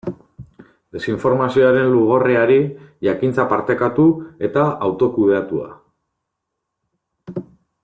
Desinformazioaren lugorriari, jakintza partekatu eta autokudeatua.